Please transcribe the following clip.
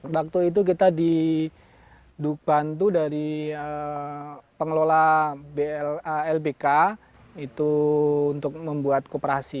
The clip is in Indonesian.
waktu itu kita dibantu dari pengelola lbk itu untuk membuat kooperasi